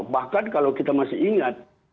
bahkan kalau kita masih ingat